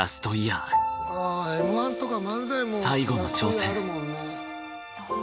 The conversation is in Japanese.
最後の挑戦。